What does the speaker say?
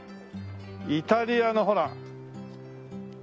イタリアのほら国旗。